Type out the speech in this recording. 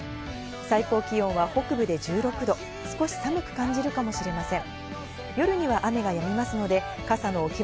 最高気温は北部で１６度、少し寒く感じるかもしれません。